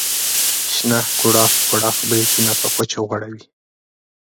شنه کوړاخ کوړاخ بریتونه په کوچو غوړوي.